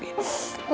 terima kasih prof